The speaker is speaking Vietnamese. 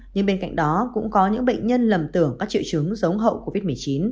nhưng bên cạnh đó cũng có những bệnh nhân lầm tưởng các triệu chứng giống hậu covid một mươi chín